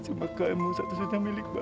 cuma kamu satu satunya milik bapak